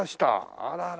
あららら。